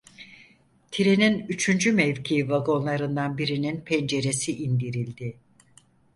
Trenin üçüncü mevki vagonlarından birinin penceresi indirildi.